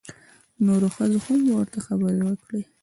نورو ښځو هم ورته خبرې وکړې.